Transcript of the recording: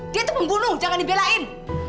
dia itu pembunuh jangan dibelain